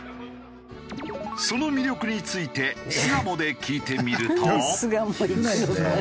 その魅力について巣鴨で聞いてみると。